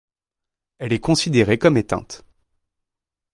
Elle est considérée comme éteinte.